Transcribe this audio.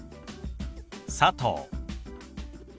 「佐藤」。